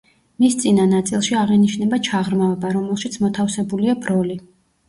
მის წინა ნაწილში აღინიშნება ჩაღრმავება, რომელშიც მოთავსებულია ბროლი.